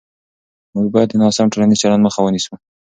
موږ باید د ناسم ټولنیز چلند مخه ونیسو.